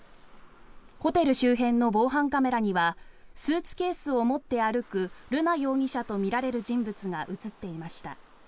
ホテル周辺の防犯カメラにはスーツケースを持って歩く瑠奈容疑者とみられる人物が映っていました。